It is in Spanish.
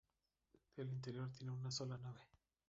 El interior tiene una sola nave.